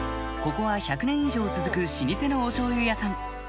ここは１００年以上続く老舗のおしょうゆ屋さん